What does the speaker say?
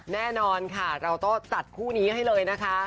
แน่นอนค่ะเราต้องจัดคู่นี้ให้เลยนะคะ